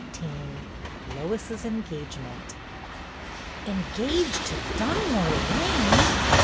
XVIII LOIs's ENGAGEMENT NGAGED to Dunmore Lane!